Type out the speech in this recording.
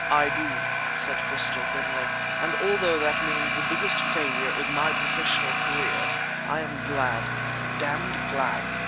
"I do!" said Bristol grimly, "and although that means the biggest failure in my professional career, I am glad—damned glad!"